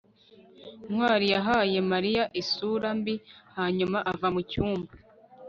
ntwali yahaye mariya isura mbi hanyuma ava mucyumba